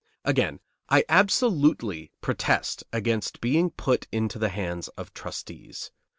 Again, I absolutely protest against being put into the hands of trustees.